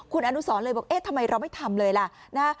คุณอนุสรเลยบอกเอ๊ะทำไมเราไม่ทำเลยล่ะนะ